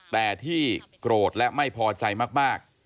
แต่ที่โกรธและไม่พอใจมาก